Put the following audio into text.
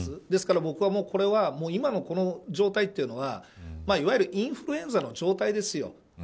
ですから僕はこれは、今の状態というのはいわゆるインフルエンザの状態ですよ。